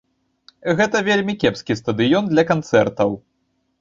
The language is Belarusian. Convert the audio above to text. Гэта вельмі кепскі стадыён для канцэртаў.